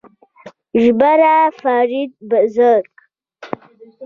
ژباړه فرید بزګر